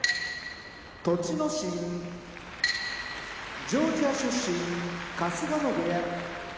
栃ノ心ジョージア出身春日野部屋